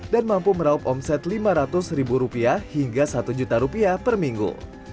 dan mampu meraup omset lima ratus ribu rupiah hingga satu juta rupiah per minggu